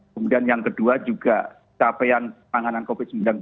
kemudian yang kedua juga capaian penanganan covid sembilan belas